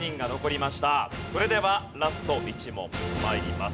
それではラスト１問参ります。